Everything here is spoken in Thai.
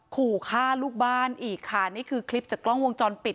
ขู่ฆ่าลูกบ้านอีกค่ะนี่คือคลิปจากกล้องวงจรปิด